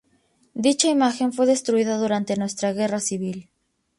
Dicha imagen fue destruida durante nuestra guerra civil.